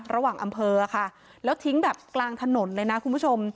อำเภอค่ะแล้วทิ้งแบบกลางถนนเลยนะคุณผู้ชม